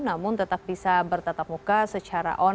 namun tetap bisa bertatap muka secara online